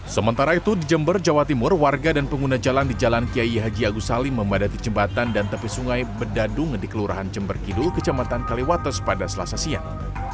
sementara itu di jember jawa timur warga dan pengguna jalan di jalan kiai haji agus salim memadati jembatan dan tepi sungai bedadung di kelurahan jember kidul kecamatan kaliwates pada selasa siang